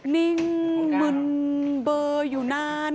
นิ่งมึนเบอร์อยู่นาน